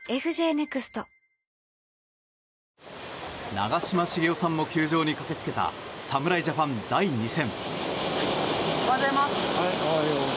長嶋茂雄さんも球場に駆けつけた侍ジャパン、第２戦。